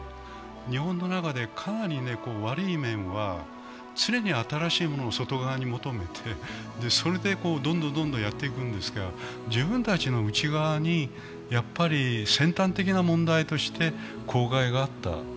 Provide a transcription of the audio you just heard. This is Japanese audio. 日本の中でかなり悪い面は、常に新しいものを外側に求めてそれでどんどんやっていくんですが自分たちの内側に先端的な問題として公害があった。